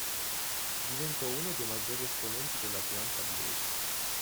Diventò uno dei maggiori esponenti dell'Atlanta Blues.